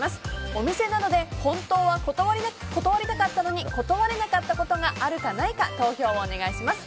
お店などで本当は断りたかったのに断れなかったことがあるかないか投票をお願いします。